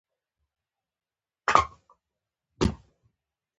متوسط مغزونه د پېښو په هکله خبرې کوي.